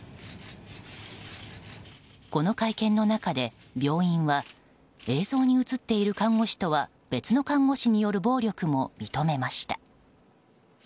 この会見の中で病院は映像に映っている看護師とは別の看護師による暴力も認めました。